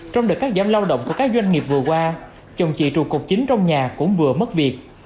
trong đợt cắt giảm lao động của các doanh nghiệp vừa qua chồng chị trụ cột chính trong nhà cũng vừa mất việc